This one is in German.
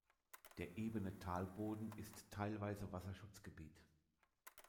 Der ebene Talboden ist teilweise Wasserschutzgebiet.